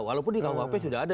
walaupun di kuhp sudah ada